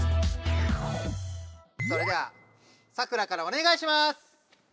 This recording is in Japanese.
それではサクラからおねがいします！